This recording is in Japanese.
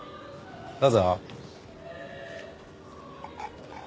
どうぞ。